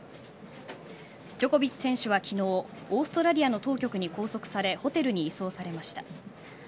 ジョコビッチ選手は昨日オーストラリアの当局に拘束されホテルに移送されました。